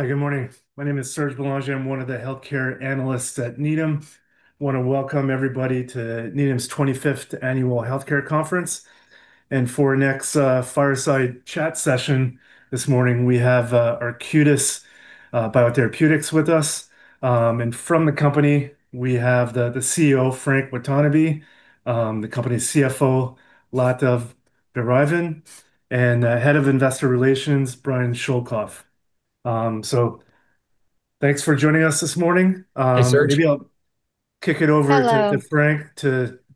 Hi, good morning. My name is Serge Bélanger. I'm one of the healthcare analysts at Needham. Want to welcome everybody to Needham's 25th Annual Healthcare Conference. For our next fireside chat session this morning, we have Arcutis Biotherapeutics with us. From the company, we have the CEO, Frank Watanabe, the company's CFO, Latha Vairavan, and Head of Investor Relations, Brian Schoelkopf. Thanks for joining us this morning. Hi, Serge. Maybe I'll kick it over. Hello I'll turn it over to Frank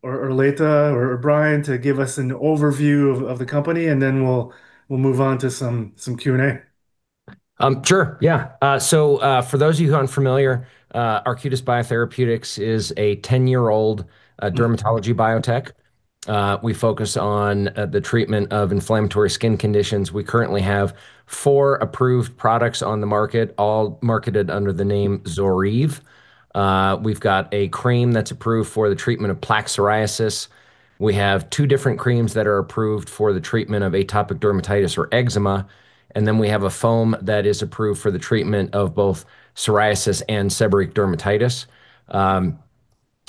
or Latha or Brian to give us an overview of the company, and then we'll move on to some Q&A. Sure. Yeah. For those of you who aren't familiar, Arcutis Biotherapeutics is a 10-year-old dermatology biotech. We focus on the treatment of inflammatory skin conditions. We currently have four approved products on the market, all marketed under the name ZORYVE. We've got a cream that's approved for the treatment of plaque psoriasis. We have two different creams that are approved for the treatment of atopic dermatitis or eczema. We have a foam that is approved for the treatment of both psoriasis and seborrheic dermatitis.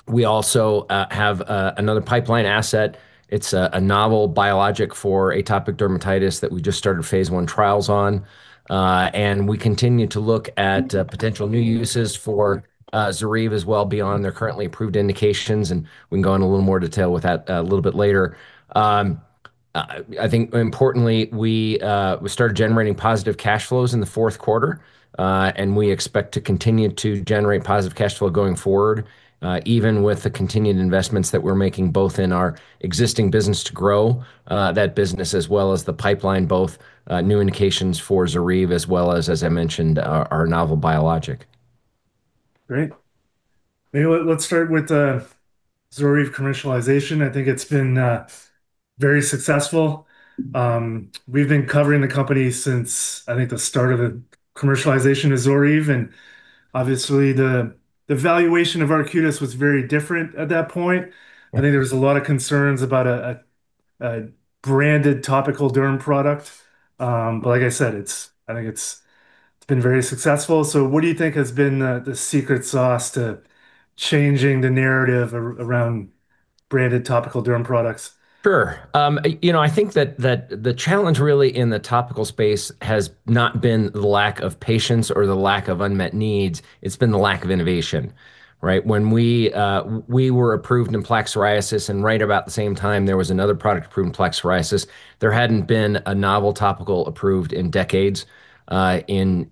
We also have another pipeline asset. It's a novel biologic for atopic dermatitis that we just started phase I trials on. We continue to look at potential new uses for ZORYVE as well, beyond their currently approved indications, and we can go in a little more detail with that a little bit later. I think importantly, we started generating positive cash flows in the fourth quarter. We expect to continue to generate positive cash flow going forward, even with the continued investments that we're making both in our existing business to grow that business as well as the pipeline, both new indications for ZORYVE as well as I mentioned, our novel biologic. Great. Maybe let's start with ZORYVE commercialization. I think it's been very successful. We've been covering the company since, I think, the start of the commercialization of ZORYVE, and obviously the valuation of Arcutis was very different at that point. I think there was a lot of concerns about a branded topical derm product. Like I said, I think it's been very successful. What do you think has been the secret sauce to changing the narrative around branded topical derm products? Sure. I think that the challenge really in the topical space has not been the lack of patients or the lack of unmet needs. It's been the lack of innovation, right? When we were approved in plaque psoriasis, and right about the same time, there was another product approved in plaque psoriasis. There hadn't been a novel topical approved in decades in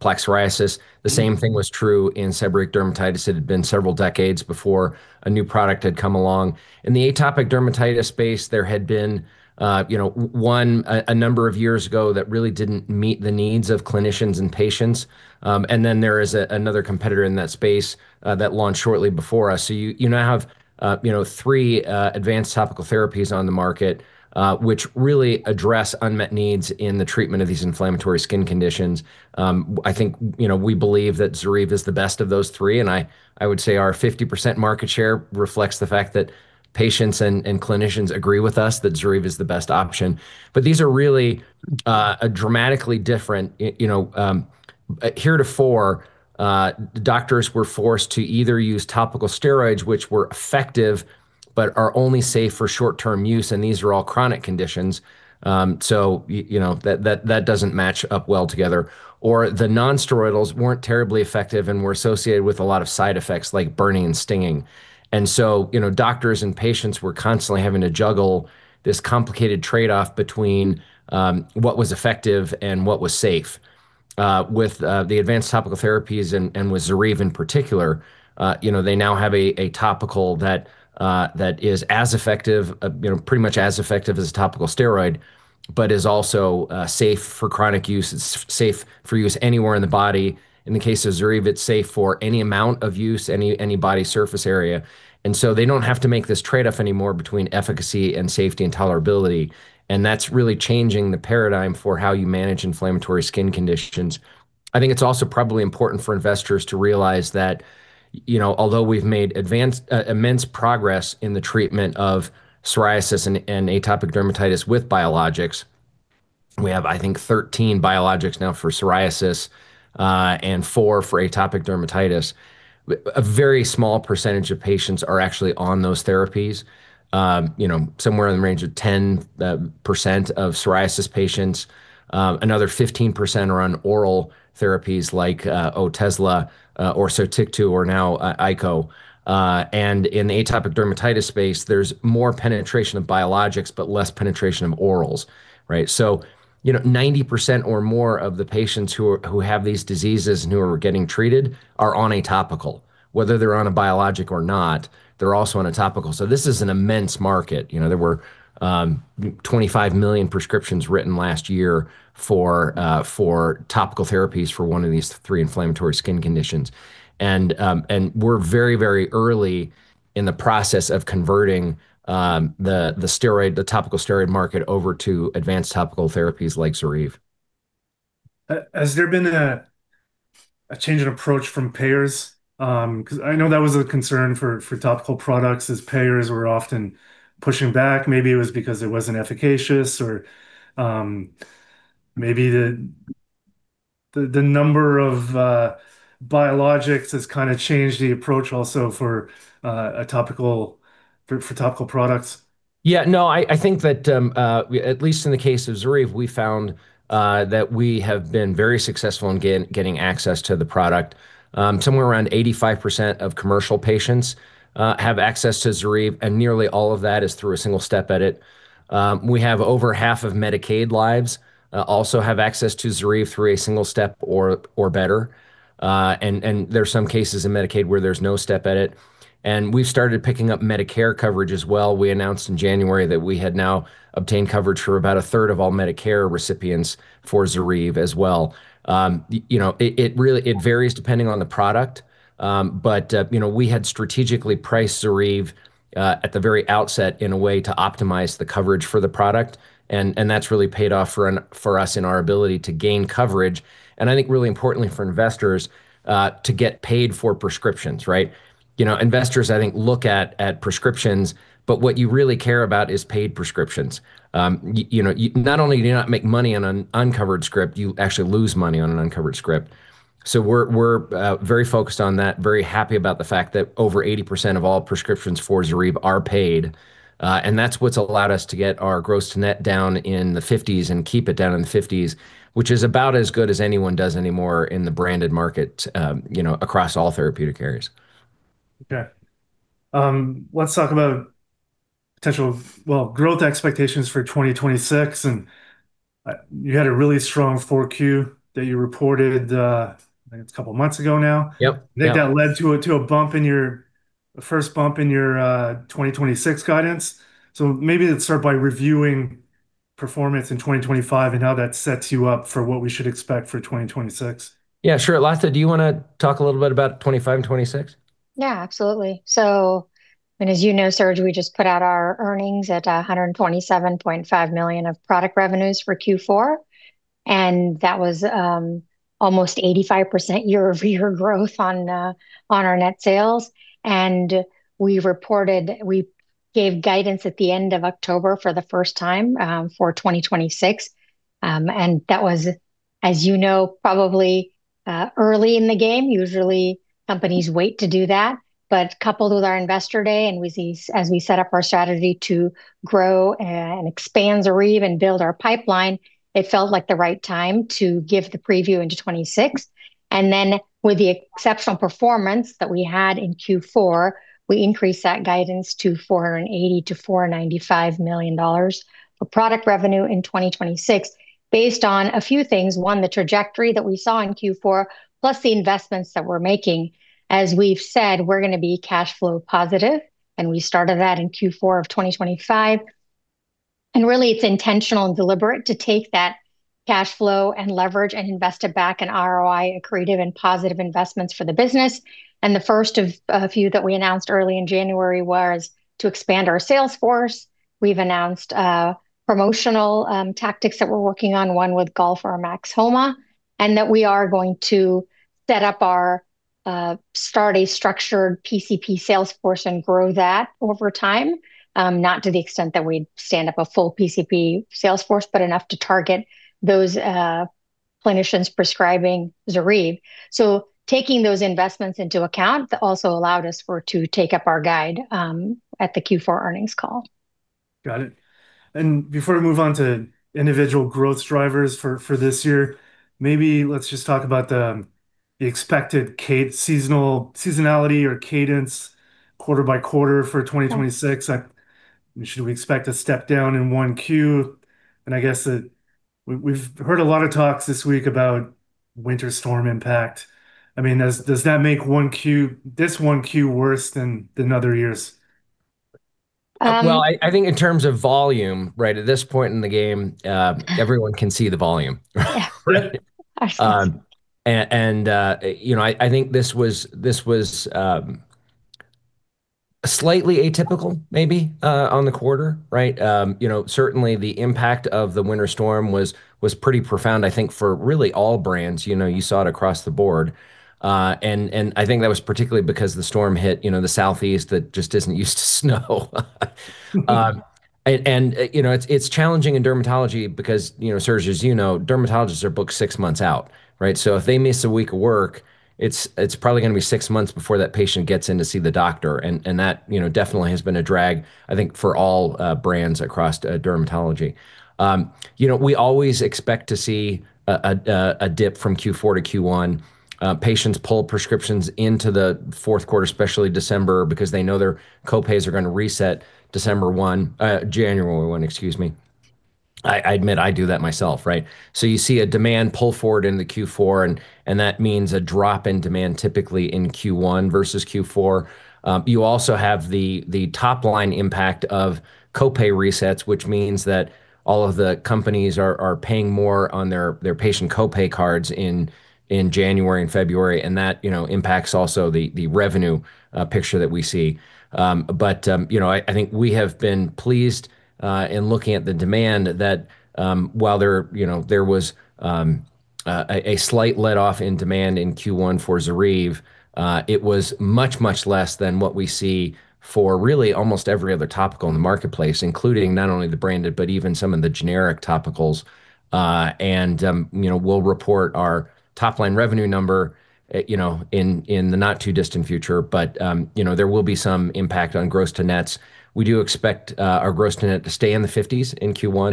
plaque psoriasis. The same thing was true in seborrheic dermatitis. It had been several decades before a new product had come along. In the atopic dermatitis space, there had been one a number of years ago that really didn't meet the needs of clinicians and patients. There is another competitor in that space that launched shortly before us. You now have three advanced topical therapies on the market, which really address unmet needs in the treatment of these inflammatory skin conditions. I think we believe that ZORYVE is the best of those three, and I would say our 50% market share reflects the fact that patients and clinicians agree with us that ZORYVE is the best option. These are really dramatically different. Heretofore, doctors were forced to either use topical steroids, which were effective, but are only safe for short-term use, and these are all chronic conditions. That doesn't match up well together. The non-steroidals weren't terribly effective and were associated with a lot of side effects like burning and stinging. Doctors and patients were constantly having to juggle this complicated trade-off between what was effective and what was safe. With the advanced topical therapies and with ZORYVE in particular, they now have a topical that is pretty much as effective as a topical steroid, but is also safe for chronic use. It's safe for use anywhere in the body. In the case of ZORYVE, it's safe for any amount of use, any body surface area. They don't have to make this trade-off anymore between efficacy and safety and tolerability, and that's really changing the paradigm for how you manage inflammatory skin conditions. I think it's also probably important for investors to realize that although we've made immense progress in the treatment of psoriasis and atopic dermatitis with biologics, we have, I think, 13 biologics now for psoriasis, and four for atopic dermatitis. A very small percentage of patients are actually on those therapies. Somewhere in the range of 10% of psoriasis patients. Another 15% are on oral therapies like Otezla or Sotyktu or now ICOTYDE. And in the atopic dermatitis space, there's more penetration of biologics, but less penetration of orals, right? 90% or more of the patients who have these diseases and who are getting treated are on a topical. Whether they're on a biologic or not, they're also on a topical. This is an immense market. There were 25 million prescriptions written last year for topical therapies for one of these three inflammatory skin conditions. We're very early in the process of converting the topical steroid market over to advanced topical therapies like ZORYVE. Has there been a change in approach from payers, because I know that was a concern for topical products as payers were often pushing back? Maybe it was because it wasn't efficacious, or maybe the number of biologics has kind of changed the approach also for topical products? Yeah. No, I think that, at least in the case of ZORYVE, we found that we have been very successful in getting access to the product. Somewhere around 85% of commercial patients have access to ZORYVE, and nearly all of that is through a single-step edit. We have over half of Medicaid lives also have access to ZORYVE through a single-step or better, and there are some cases in Medicaid where there's no step edit. We've started picking up Medicare coverage as well. We announced in January that we had now obtained coverage for about 1/3 of all Medicare recipients for ZORYVE as well. It varies depending on the product, but we had strategically priced ZORYVE at the very outset in a way to optimize the coverage for the product, and that's really paid off for us in our ability to gain coverage and, I think really importantly for investors, to get paid for prescriptions, right? Investors, I think, look at prescriptions, but what you really care about is paid prescriptions. Not only do you not make money on an uncovered script, you actually lose money on an uncovered script. We're very focused on that, very happy about the fact that over 80% of all prescriptions for ZORYVE are paid. That's what's allowed us to get our gross to net down in the 50%s and keep it down in the 50%s, which is about as good as anyone does anymore in the branded market across all therapeutic areas. Okay. Let's talk about potential growth expectations for 2026. You had a really strong Q4 that you reported, I think it's a couple of months ago now. Yep. Yeah. I think that led to the first bump in your 2026 guidance. Maybe let's start by reviewing performance in 2025 and how that sets you up for what we should expect for 2026. Yeah, sure. Latha, do you want to talk a little bit about 2025 and 2026? Yeah, absolutely. As you know, Serge, we just put out our earnings at $127.5 million of product revenues for Q4, and that was almost 85% year-over-year growth on our net sales. We gave guidance at the end of October for the first time for 2026. That was, as you know, probably early in the game. Usually companies wait to do that. Coupled with our Investor Day and as we set up our strategy to grow and expand ZORYVE and build our pipeline, it felt like the right time to give the preview into 2026. With the exceptional performance that we had in Q4, we increased that guidance to $480 million-$495 million for product revenue in 2026 based on a few things. One, the trajectory that we saw in Q4, plus the investments that we're making. As we've said, we're going to be cash flow positive, and we started that in Q4 of 2025. Really, it's intentional and deliberate to take that cash flow and leverage and invest it back in ROI-accretive and positive investments for the business. The first of a few that we announced early in January was to expand our sales force. We've announced promotional tactics that we're working on, one with golf, or Max Homa, and that we are going to start a structured PCP sales force and grow that over time, not to the extent that we'd stand up a full PCP sales force, but enough to target those clinicians prescribing ZORYVE. Taking those investments into account also allowed us to take up our guide at the Q4 earnings call. Got it. And before we move on to individual growth drivers for this year, maybe let's just talk about the expected seasonality or cadence quarter-by-quarter for 2026. Yeah. Should we expect a step down in Q1? I guess that we've heard a lot of talks this week about winter storm impact. Does that make this Q1 worse than other years? Well, I think in terms of volume, right, at this point in the game, everyone can see the volume. Yeah. Absolutely. I think this was slightly atypical maybe on the quarter, right? Certainly the impact of the winter storm was pretty profound, I think, for really all brands. You saw it across the board. I think that was particularly because the storm hit the Southeast that just isn't used to snow. It's challenging in dermatology because, Serge, as you know, dermatologists are booked six months out, right? If they miss a week of work, it's probably going to be six months before that patient gets in to see the doctor. That definitely has been a drag, I think, for all brands across dermatology. We always expect to see a dip from Q4 to Q1. Patients pull prescriptions into the fourth quarter, especially December, because they know their co-pays are going to reset January 1, excuse me. I admit I do that myself, right? You see a demand pull forward into Q4, and that means a drop in demand typically in Q1 versus Q4. You also have the top-line impact of co-pay resets, which means that all of the companies are paying more on their patient co-pay cards in January and February, and that impacts also the revenue picture that we see. I think we have been pleased in looking at the demand that while there was a slight let-off in demand in Q1 for ZORYVE, it was much less than what we see for really almost every other topical in the marketplace, including not only the branded, but even some of the generic topicals. We'll report our top-line revenue number in the not-too-distant future. There will be some impact on gross-to-nets. We do expect our gross-to-net to stay in the 50%s in Q1.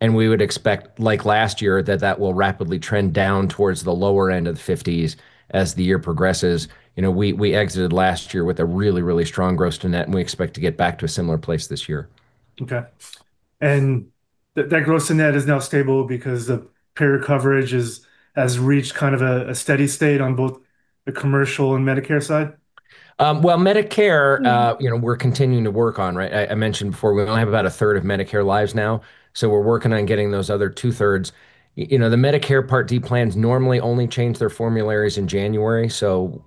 Yeah. We would expect, like last year, that will rapidly trend down towards the lower end of the 50%s as the year progresses. We exited last year with a really strong gross-to-net, and we expect to get back to a similar place this year. Okay. That gross to net is now stable because the payer coverage has reached kind of a steady state on both the commercial and Medicare side? Well, Medicare. Mm We're continuing to work on, right? I mentioned before, we only have about 1/3 of Medicare lives now, so we're working on getting those other 2/3. The Medicare Part D plans normally only change their formularies in January, so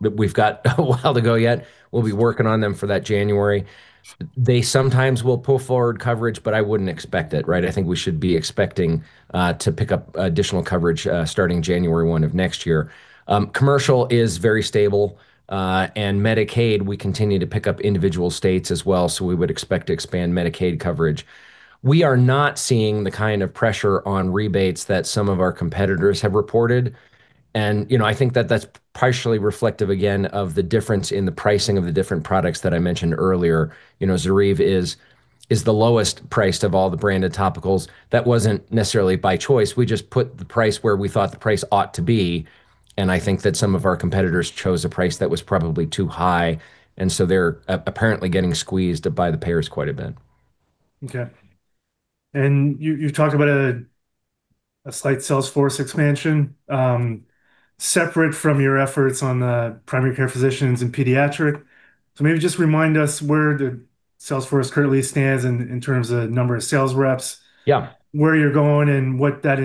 we've got a while to go yet. We'll be working on them for that January. They sometimes will pull forward coverage, but I wouldn't expect it, right? I think we should be expecting to pick up additional coverage starting January 1 of next year. Commercial is very stable. Medicaid, we continue to pick up individual states as well, so we would expect to expand Medicaid coverage. We are not seeing the kind of pressure on rebates that some of our competitors have reported. I think that that's partially reflective, again, of the difference in the pricing of the different products that I mentioned earlier. ZORYVE is the lowest-priced of all the branded topicals. That wasn't necessarily by choice. We just put the price where we thought the price ought to be. I think that some of our competitors chose a price that was probably too high. They're apparently getting squeezed by the payers quite a bit. Okay. You talked about a slight sales force expansion, separate from your efforts on the primary care physicians and pediatric. Maybe just remind us where the sales force currently stands in terms of number of sales reps. Yeah. Where you're going, and what that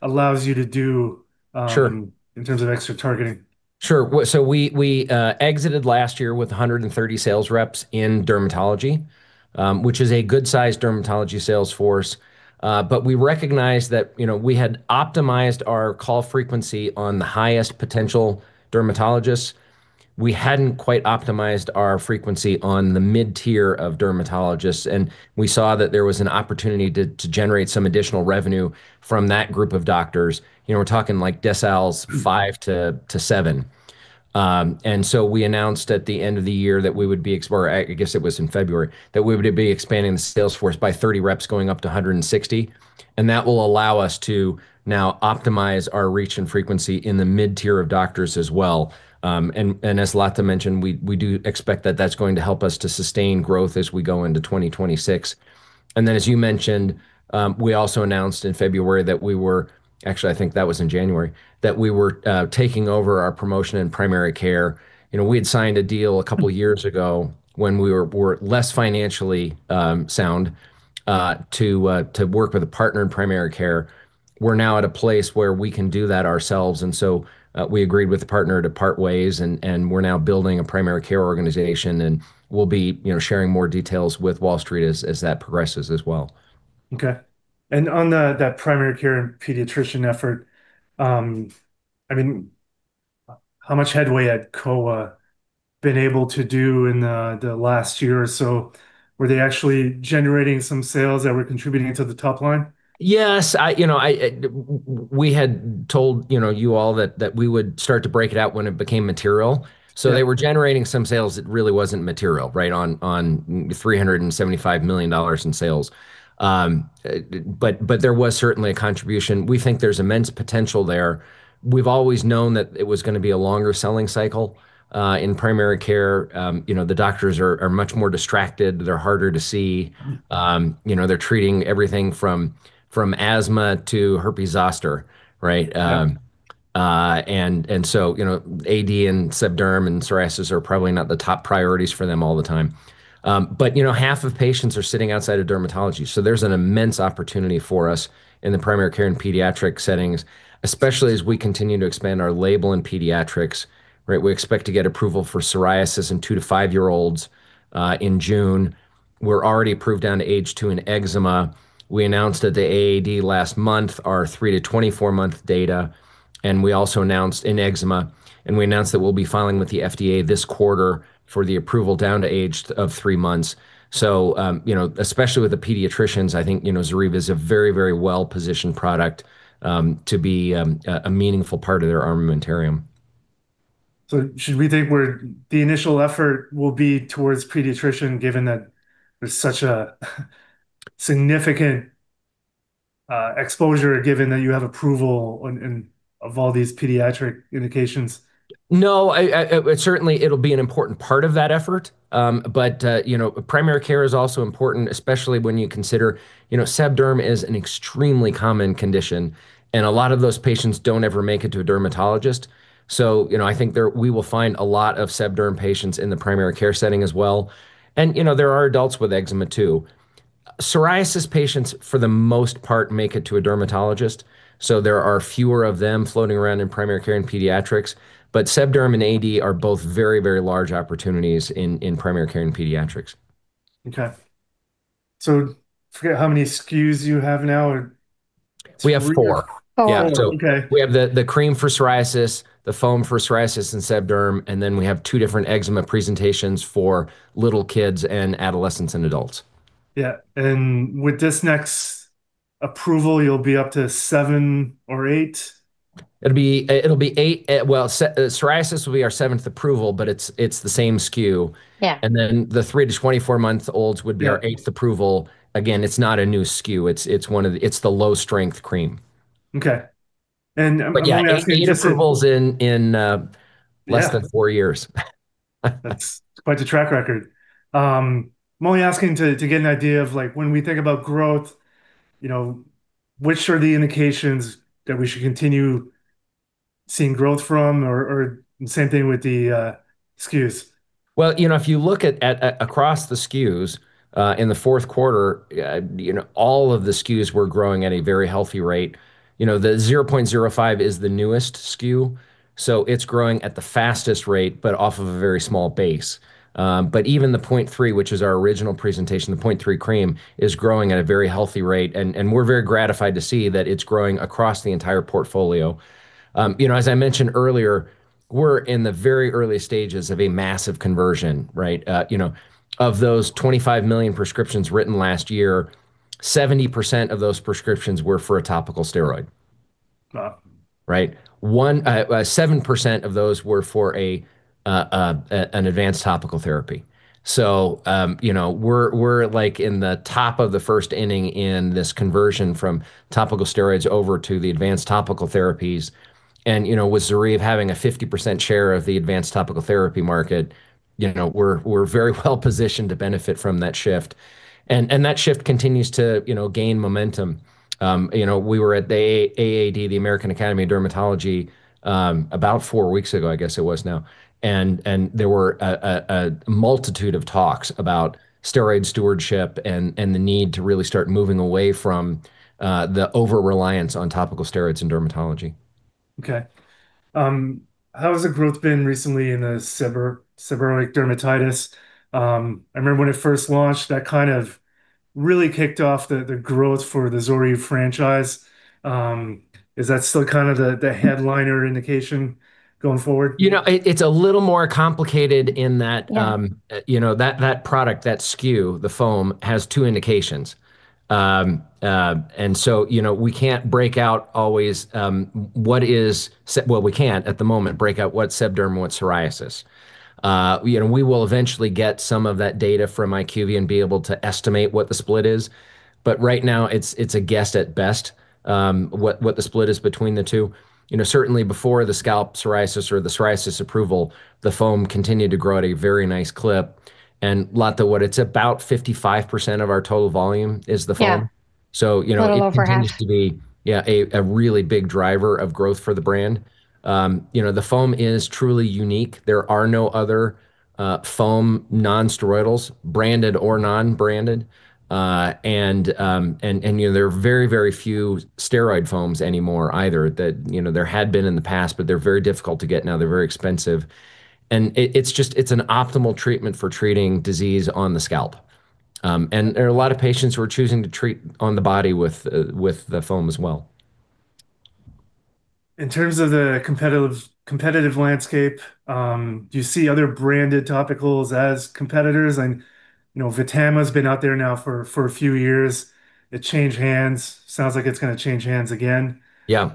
allows you to do. Sure In terms of extra targeting. Sure. We exited last year with 130 sales reps in dermatology, which is a good size dermatology sales force. We recognized that we had optimized our call frequency on the highest potential dermatologists. We hadn't quite optimized our frequency on the mid-tier of dermatologists, and we saw that there was an opportunity to generate some additional revenue from that group of doctors. We're talking like deciles five-seven. We announced at the end of the year, I guess it was in February, that we would be expanding the sales force by 30 reps, going up to 160 reps. That will allow us to now optimize our reach and frequency in the mid-tier of doctors as well. As Latha mentioned, we do expect that that's going to help us to sustain growth as we go into 2026. As you mentioned, we also announced in February that we were, actually, I think that was in January, that we were taking over our promotion in primary care. We had signed a deal a couple of years ago, when we were less financially sound, to work with a partner in primary care. We're now at a place where we can do that ourselves, and so we agreed with the partner to part ways, and we're now building a primary care organization, and we'll be sharing more details with Wall Street as that progresses as well. Okay. On that primary care and pediatrician effort, how much headway had Kowa been able to do in the last year or so? Were they actually generating some sales that were contributing to the top line? Yes. We had told you all that we would start to break it out when it became material. Yeah. They were generating some sales. It really wasn't material, right, on $375 million in sales. There was certainly a contribution. We think there's immense potential there. We've always known that it was going to be a longer selling cycle. In primary care, the doctors are much more distracted. They're harder to see. They're treating everything from asthma to herpes zoster, right? Yeah. And so AD, and SebDerm, and psoriasis are probably not the top priorities for them all the time. But half of patients are sitting outside of dermatology, so there's an immense opportunity for us in the primary care and pediatric settings, especially as we continue to expand our label in pediatrics, right? We expect to get approval for psoriasis in two to five-year-olds in June. We're already approved down to age two in eczema. We announced at the AAD last month our three to 24-month data, and we also announced in eczema, and we announced that we'll be filing with the FDA this quarter for the approval down to age of three months. So especially with the pediatricians, I think ZORYVE is a very, very well-positioned product to be a meaningful part of their armamentarium. Should we think where the initial effort will be towards pediatricians, given that there's such a significant exposure, given that you have approval of all these pediatric indications? No. Certainly, it'll be an important part of that effort. Primary care is also important, especially when you consider SebDerm is an extremely common condition, and a lot of those patients don't ever make it to a dermatologist. I think we will find a lot of SebDerm patients in the primary care setting as well. There are adults with eczema too. Psoriasis patients, for the most part, make it to a dermatologist, so there are fewer of them floating around in primary care and pediatrics. SebDerm and AD are both very large opportunities in primary care and pediatrics. Okay. Forget how many SKUs you have now. We have four. Oh, okay. Yeah. We have the cream for psoriasis, the foam for psoriasis and SebDerm, and then we have two different eczema presentations for little kids and adolescents and adults. Yeah. With this next approval, you'll be up to seven or eight? It'll be eight. Well, psoriasis will be our seventh approval, but it's the same SKU. Yeah. The three-24-month-olds would be. Yeah Our eighth approval. Again, it's not a new SKU. It's the low strength cream. Okay. I'm only asking. Yeah, eight approvals in less than four years. That's quite the track record. I'm only asking to get an idea of when we think about growth, which are the indications that we should continue seeing growth from, or same thing with the SKUs. Well, if you look at across the SKUs in the fourth quarter, all of the SKUs were growing at a very healthy rate. The 0.05 is the newest SKU, so it's growing at the fastest rate, but off of a very small base. Even the 0.3, which is our original presentation, the 0.3 cream, is growing at a very healthy rate, and we're very gratified to see that it's growing across the entire portfolio. As I mentioned earlier, we're in the very early stages of a massive conversion, right? Of those 25 million prescriptions written last year, 70% of those prescriptions were for a topical steroid. Wow. Right? 7% of those were for an advanced topical therapy. We're in the top of the first inning in this conversion from topical steroids over to the advanced topical therapies. With ZORYVE having a 50% share of the advanced topical therapy market, we're very well-positioned to benefit from that shift. That shift continues to gain momentum. We were at the AAD, the American Academy of Dermatology, about four weeks ago, I guess it was now, and there were a multitude of talks about steroid stewardship and the need to really start moving away from the over-reliance on topical steroids in dermatology. Okay. How has the growth been recently in the seborrheic dermatitis? I remember when it first launched, that kind of really kicked off the growth for the ZORYVE franchise. Is that still kind of the headliner indication going forward? It's a little more complicated than that. Yeah That product, that SKU, the foam, has two indications. We can't, at the moment, break out what's SebDerm and what's psoriasis. We will eventually get some of that data from IQVIA and be able to estimate what the split is, but right now it's a guess at best, what the split is between the two. Certainly before the scalp psoriasis or the psoriasis approval, the foam continued to grow at a very nice clip. Latha, what, it's about 55% of our total volume is the foam? Yeah. So. A little over half. It continues to be, yeah, a really big driver of growth for the brand. The foam is truly unique. There are no other foam non-steroidals, branded or non-branded. There are very few steroid foams anymore either. There had been in the past, but they're very difficult to get now. They're very expensive. It's an optimal treatment for treating disease on the scalp. There are a lot of patients who are choosing to treat on the body with the foam as well. In terms of the competitive landscape, do you see other branded topicals as competitors? I know Vtama's been out there now for a few years. It changed hands. Sounds like it's going to change hands again. Yeah.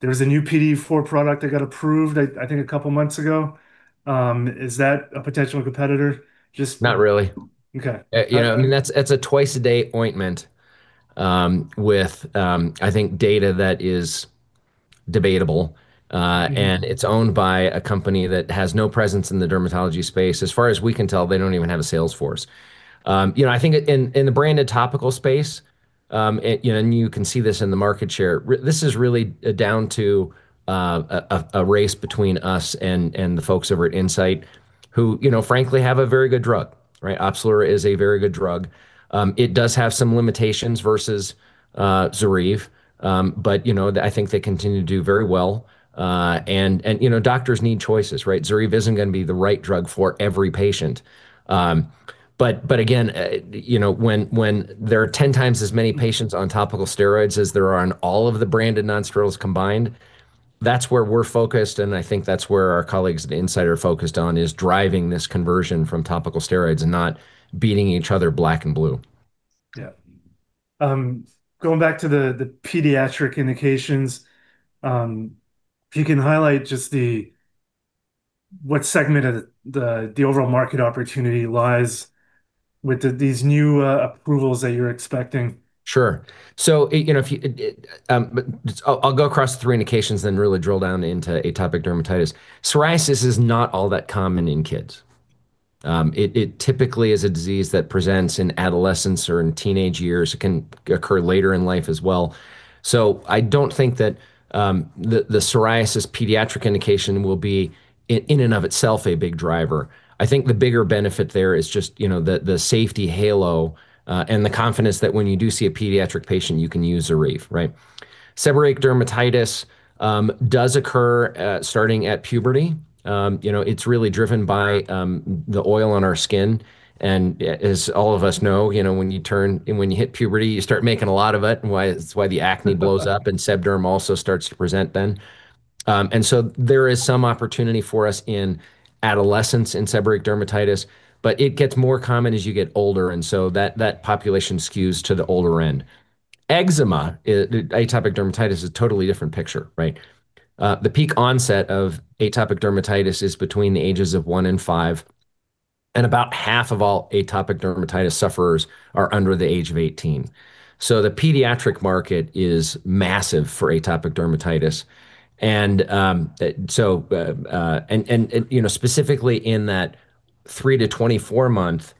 There was a new PDE4 product that got approved, I think, a couple of months ago. Is that a potential competitor? Not really. Okay. All right. It's a twice-a-day ointment with, I think, data that is debatable. Mm-hmm. It's owned by a company that has no presence in the dermatology space. As far as we can tell, they don't even have a sales force. I think in the branded topical space, and you can see this in the market share, this is really down to a race between us and the folks over at Incyte, who, frankly, have a very good drug. Right? Opzelura is a very good drug. It does have some limitations versus ZORYVE. I think they continue to do very well. Doctors need choices, right? ZORYVE isn't going to be the right drug for every patient. Again, when there are 10x as many patients on topical steroids as there are on all of the branded nonsteroidals combined, that's where we're focused, and I think that's where our colleagues at Incyte are focused on, is driving this conversion from topical steroids and not beating each other black and blue. Yeah, going back to the pediatric indications, if you can highlight just what segment of the overall market opportunity lies with these new approvals that you're expecting? Sure. I'll go across the three indications, then really drill down into atopic dermatitis. Psoriasis is not all that common in kids. It typically is a disease that presents in adolescence or in teenage years. It can occur later in life as well. I don't think that the psoriasis pediatric indication will be, in and of itself, a big driver. I think the bigger benefit there is just the safety halo, and the confidence that when you do see a pediatric patient, you can use ZORYVE, right? Seborrheic dermatitis does occur, starting at puberty. It's really driven by the oil on our skin. As all of us know, when you hit puberty, you start making a lot of it, and that's why the acne blows up, and SebDerm also starts to present then. There is some opportunity for us in adolescence in seborrheic dermatitis, but it gets more common as you get older. That population skews to the older end. Eczema, atopic dermatitis, is a totally different picture, right? The peak onset of atopic dermatitis is between the ages of one and five, and about half of all atopic dermatitis sufferers are under the age of 18. The pediatric market is massive for atopic dermatitis, specifically in that three-24-month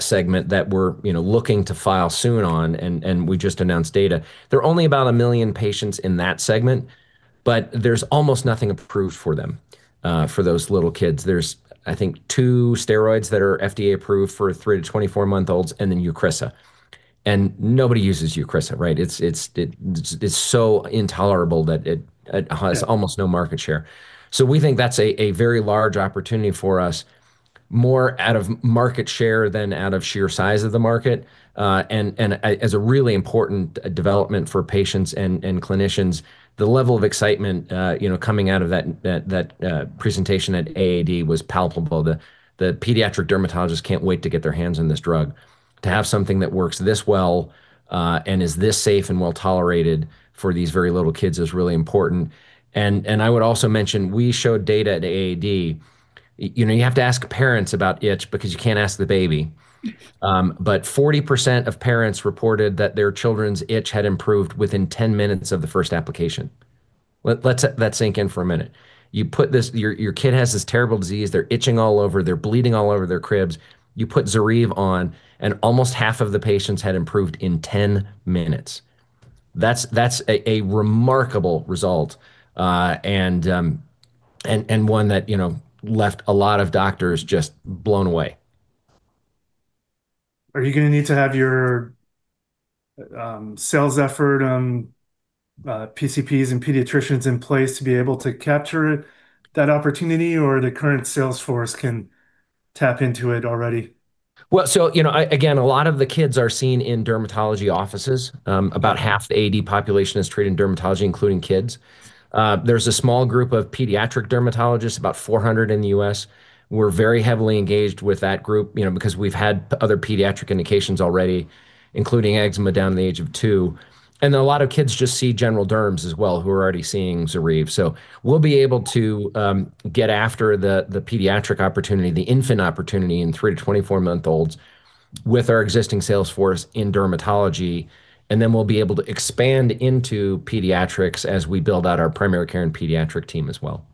segment that we're looking to file soon on, and we just announced data. There are only about 1 million patients in that segment, but there's almost nothing approved for them, for those little kids. There's, I think, two steroids that are FDA approved for three to 24-month-olds, and then Eucrisa. Nobody uses Eucrisa, right? It's so intolerable that it has almost no market share. We think that's a very large opportunity for us, more out of market share than out of sheer size of the market, and as a really important development for patients and clinicians. The level of excitement coming out of that presentation at AAD was palpable. The pediatric dermatologists can't wait to get their hands on this drug. To have something that works this well and is this safe and well-tolerated for these very little kids is really important. I would also mention, we showed data at AAD. You have to ask parents about itch because you can't ask the baby, but 40% of parents reported that their children's itch had improved within 10 minutes of the first application. Let that sink in for a minute. Your kid has this terrible disease. They're itching all over. They're bleeding all over their cribs. You put ZORYVE on and almost half of the patients had improved in 10 minutes. That's a remarkable result, and one that left a lot of doctors just blown away. Are you going to need to have your sales effort, PCPs and pediatricians in place to be able to capture that opportunity, or the current sales force can tap into it already? Again, a lot of the kids are seen in dermatology offices. About half the AD population is treated in dermatology, including kids. There's a small group of pediatric dermatologists, about 400 in the U.S. We're very heavily engaged with that group because we've had other pediatric indications already, including eczema down to the age of two. A lot of kids just see general derms as well who are already seeing ZORYVE. We'll be able to get after the pediatric opportunity, the infant opportunity in three to 24-month-olds with our existing sales force in dermatology, and then we'll be able to expand into pediatrics as we build out our primary care and pediatric team as well.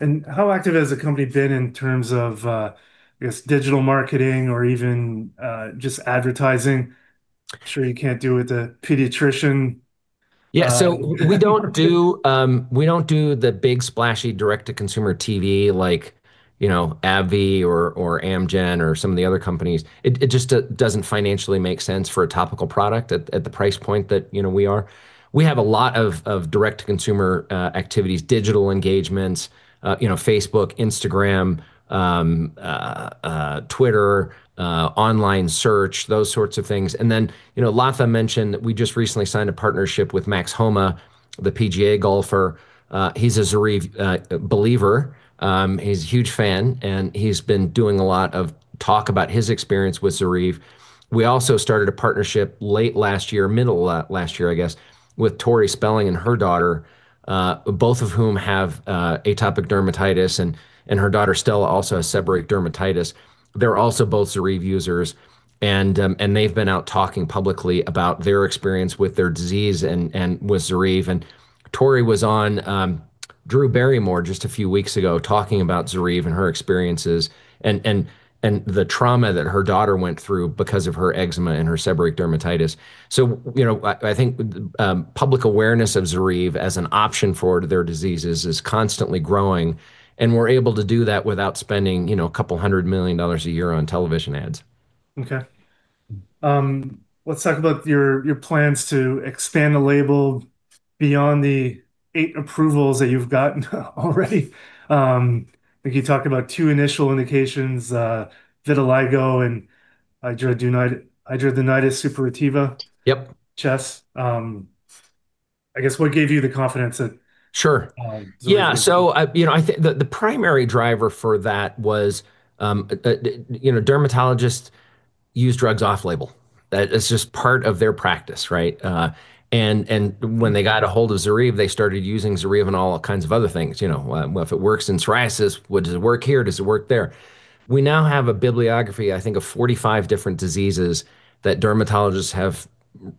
Okay. How active has the company been in terms of, I guess, digital marketing or even just advertising? I'm sure you can't do it with a PCP. Yeah. We don't do the big splashy direct-to-consumer TV like AbbVie or Amgen or some of the other companies. It just doesn't financially make sense for a topical product at the price point that we are. We have a lot of direct-to-consumer activities, digital engagements, Facebook, Instagram, Twitter, online search, those sorts of things. Latha mentioned that we just recently signed a partnership with Max Homa, the PGA golfer. He's a ZORYVE believer. He's a huge fan, and he's been doing a lot of talk about his experience with ZORYVE. We also started a partnership late last year, middle last year, I guess, with Tori Spelling and her daughter, both of whom have atopic dermatitis, and her daughter Stella also has seborrheic dermatitis. They're also both ZORYVE users, and they've been out talking publicly about their experience with their disease and with ZORYVE. Tori was on Drew Barrymore just a few weeks ago talking about ZORYVE and her experiences and the trauma that her daughter went through because of her eczema and her seborrheic dermatitis. I think public awareness of ZORYVE as an option for their diseases is constantly growing, and we're able to do that without spending a couple $100 million a year on television ads. Okay. Let's talk about your plans to expand the label beyond the eight approvals that you've gotten already. I think you talked about two initial indications, vitiligo and hidradenitis suppurativa. Yep. HS. I guess what gave you the confidence that. Sure. Yeah. I think the primary driver for that was dermatologists use drugs off-label. That is just part of their practice, right? When they got a hold of ZORYVE, they started using ZORYVE on all kinds of other things. "Well, if it works in psoriasis, does it work here? Does it work there?" We now have a bibliography, I think, of 45 different diseases that dermatologists have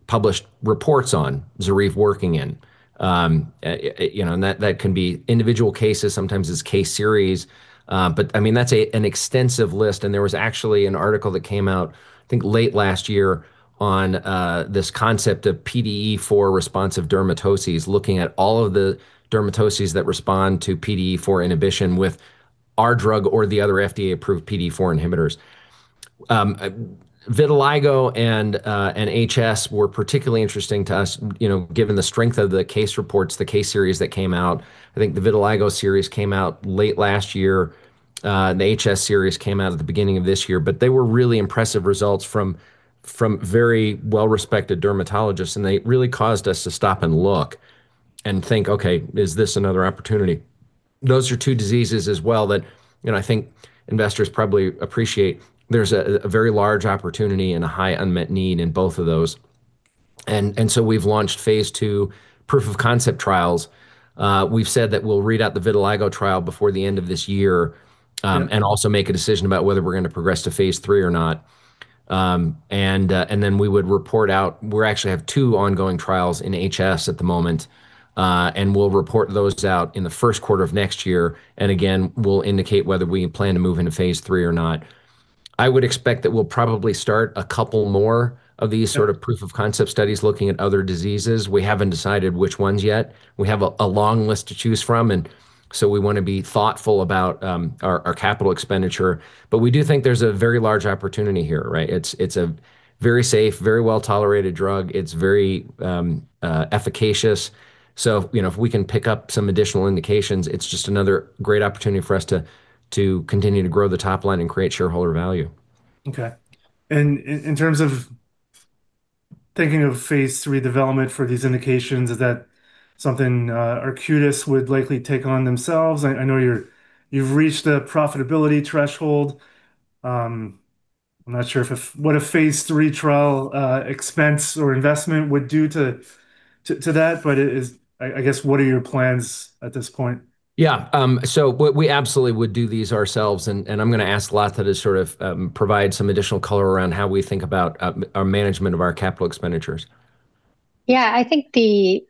published reports on ZORYVE working in. That can be individual cases, sometimes it's case series, but that's an extensive list. There was actually an article that came out, I think, late last year on this concept of PDE4-responsive dermatoses, looking at all of the dermatoses that respond to PDE4 inhibition with our drug or the other FDA-approved PDE4 inhibitors. Vitiligo and HS were particularly interesting to us, given the strength of the case reports, the case series that came out. I think the vitiligo series came out late last year, and the HS series came out at the beginning of this year. They were really impressive results from very well-respected dermatologists, and they really caused us to stop and look and think, okay, is this another opportunity? Those are two diseases as well that I think investors probably appreciate. There's a very large opportunity and a high unmet need in both of those. We've launched phase II proof of concept trials. We've said that we'll read out the vitiligo trial before the end of this year. Yep And also make a decision about whether we're going to progress to phase three or not. And then we would report out, we actually have two ongoing trials in HS at the moment, and we'll report those out in the first quarter of next year. And again, we'll indicate whether we plan to move into phase three or not. I would expect that we'll probably start a couple more of these. Sure Sort of proof-of-concept studies looking at other diseases. We haven't decided which ones yet. We have a long list to choose from, and so we want to be thoughtful about our capital expenditure. We do think there's a very large opportunity here, right? It's a very safe, very well-tolerated drug. It's very efficacious. If we can pick up some additional indications, it's just another great opportunity for us to continue to grow the top line and create shareholder value. Okay. In terms of thinking of phase III development for these indications, is that something Arcutis would likely take on themselves? I know you've reached the profitability threshold. I'm not sure what a phase III trial expense or investment would do to that, but I guess, what are your plans at this point? Yeah. We absolutely would do these ourselves and I'm going to ask Latha to sort of provide some additional color around how we think about our management of our capital expenditures. Yeah, I think the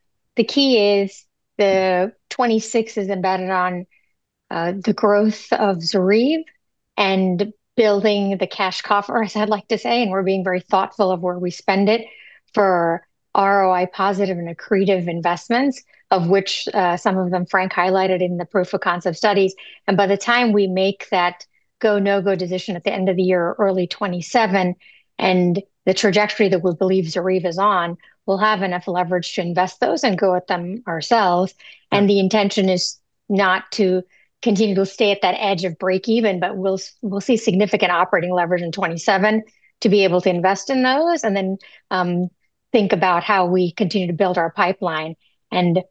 key is the 2026 is embedded on the growth of ZORYVE and building the cash coffer, as I'd like to say, and we're being very thoughtful of where we spend it for ROI positive and accretive investments, of which some of them Frank highlighted in the proof of concept studies. By the time we make that go, no-go decision at the end of the year, early 2027, and the trajectory that we believe ZORYVE is on, we'll have enough leverage to invest those and go at them ourselves. Right. The intention is not to continue to stay at that edge of breakeven, but we'll see significant operating leverage in 2027 to be able to invest in those and then think about how we continue to build our pipeline and,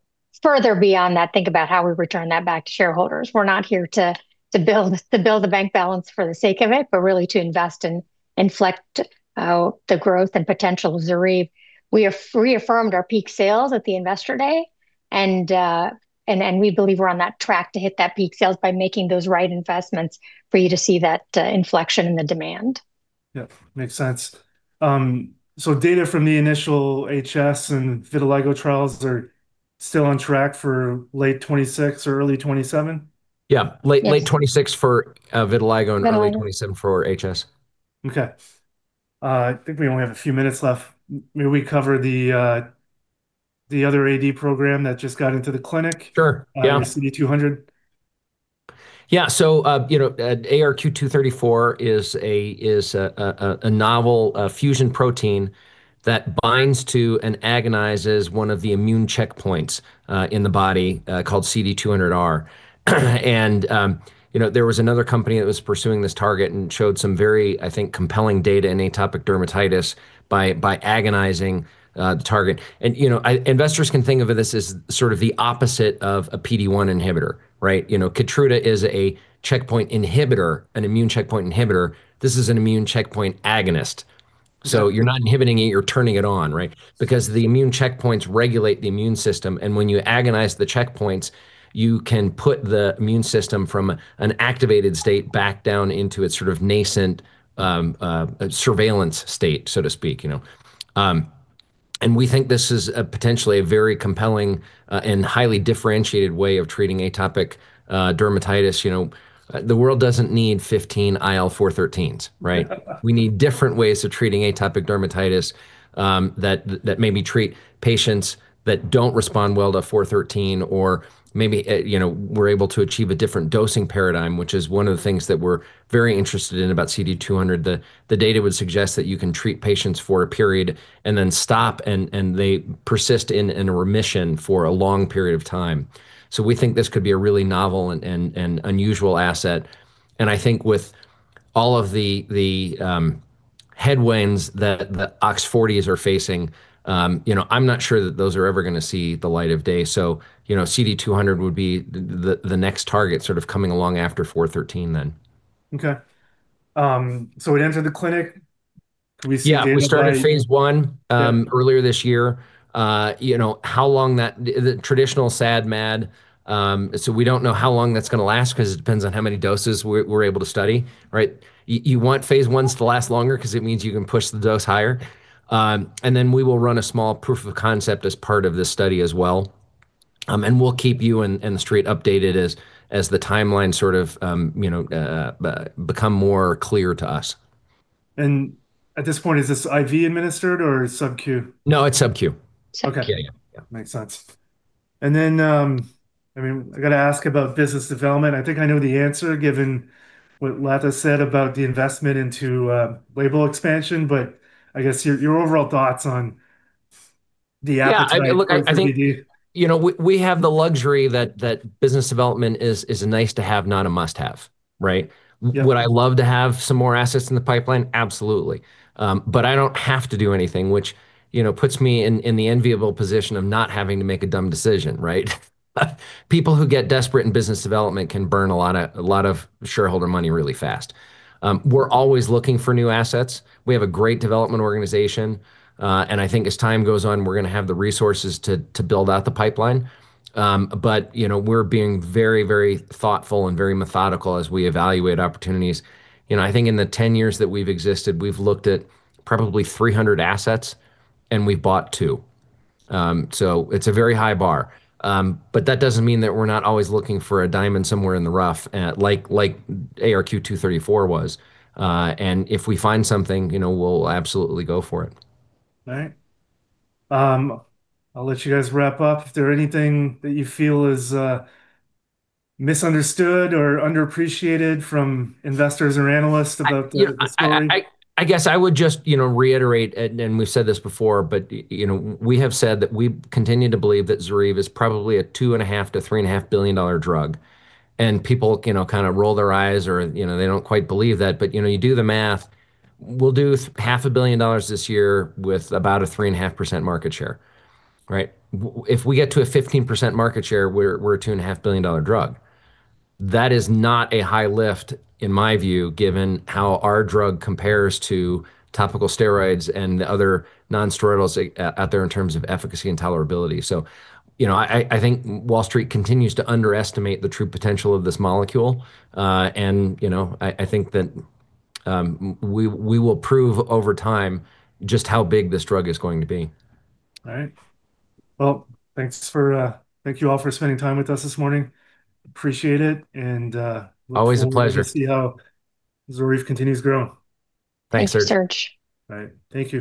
further beyond that, think about how we return that back to shareholders. We're not here to build the bank balance for the sake of it, but really to invest and inflect the growth and potential of ZORYVE. We have reaffirmed our peak sales at the Investor Day, and we believe we're on that track to hit that peak sales by making those right investments for you to see that inflection in the demand. Yep. Makes sense. Data from the initial HS and vitiligo trials are still on track for late 2026 or early 2027? Yeah. Yes 2026 for vitiligo and early. Vitiligo 2027 for HS. Okay. I think we only have a few minutes left. May we cover the other AD program that just got into the clinic? Sure. Yeah. CD200. Yeah. ARQ-234 is a novel fusion protein that binds to and agonizes one of the immune checkpoints in the body, called CD200R. There was another company that was pursuing this target and showed some very, I think, compelling data in atopic dermatitis by agonizing the target. Investors can think of this as sort of the opposite of a PD-1 inhibitor, right? KEYTRUDA is a checkpoint inhibitor, an immune checkpoint inhibitor. This is an immune checkpoint agonist. Okay. You're not inhibiting it, you're turning it on, right, because the immune checkpoints regulate the immune system, and when you agonize the checkpoints, you can put the immune system from an activated state back down into its sort of nascent surveillance state, so to speak. We think this is potentially a very compelling and highly differentiated way of treating atopic dermatitis. The world doesn't need 15 IL-4/13s, right? We need different ways of treating atopic dermatitis that maybe treat patients that don't respond well to 4/13 or maybe we're able to achieve a different dosing paradigm, which is one of the things that we're very interested in about CD200. The data would suggest that you can treat patients for a period and then stop, and they persist in remission for a long period of time. We think this could be a really novel and unusual asset. I think with all of the headwinds that the OX40s are facing, I'm not sure that those are ever going to see the light of day. CD200 would be the next target sort of coming along after 4/13 then. Okay. It entered the clinic. Yeah. We started phase I. Yep Earlier this year. The traditional SAD/MAD, so we don't know how long that's going to last because it depends on how many doses we're able to study, right? You want phase Is to last longer because it means you can push the dose higher. We will run a small proof of concept as part of this study as well. We'll keep you and the Street updated as the timeline sort of become more clear to us. At this point, is this IV administered or sub Q? No, it's sub Q. Sub Q. Okay. Yeah, yeah. Makes sense. I got to ask about business development. I think I know the answer given what Latha said about the investment into label expansion, but I guess your overall thoughts on. Yeah, look, I think we have the luxury that business development is a nice-to-have, not a must-have. Right? Yeah. Would I love to have some more assets in the pipeline? Absolutely. But I don't have to do anything, which puts me in the enviable position of not having to make a dumb decision, right? People who get desperate in business development can burn a lot of shareholder money really fast. We're always looking for new assets. We have a great development organization. And I think as time goes on, we're going to have the resources to build out the pipeline. But we're being very thoughtful and very methodical as we evaluate opportunities. I think in the 10 years that we've existed, we've looked at probably 300 assets and we've bought two. So it's a very high bar. But that doesn't mean that we're not always looking for a diamond somewhere in the rough, like ARQ-234 was. And if we find something, we'll absolutely go for it. All right. I'll let you guys wrap up. Is there anything that you feel is misunderstood or underappreciated from investors or analysts about the company? I guess I would just reiterate, and we've said this before, but we have said that we continue to believe that ZORYVE is probably a $2.5 billion-$3.5 billion drug. People kind of roll their eyes or they don't quite believe that. You do the math. We'll do $0.5 billion this year with about a 3.5% market share, right? If we get to a 15% market share, we're a $2.5 billion Drug. That is not a high lift in my view, given how our drug compares to topical steroids and other nonsteroidals out there in terms of efficacy and tolerability. I think Wall Street continues to underestimate the true potential of this molecule. I think that we will prove over time just how big this drug is going to be. All right. Well, thank you all for spending time with us this morning. Appreciate it. Always a pleasure. We look forward to see how ZORYVE continues growing. Thanks, Serge. Thanks, Serge. All right. Thank you.